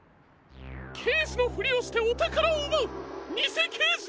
けいじのフリをしておたからをうばうにせけいじのマネオンか！？